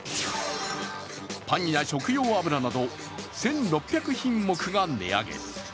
パンや食用油など１６００品目が値上げ。